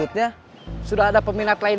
insult dan pencapaian